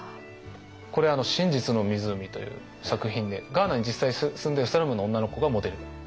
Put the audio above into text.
これ「真実の湖」という作品でガーナに実際住んでるスラムの女の子がモデル。